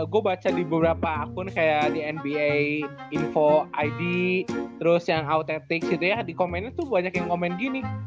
gue baca di beberapa akun kayak di nba info id terus yang autetics gitu ya di komennya tuh banyak yang komen gini